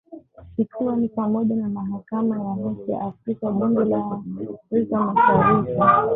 ikiwa ni pamoja na Mahakama ya Haki ya Afrika Bunge la Afrika Mashariki na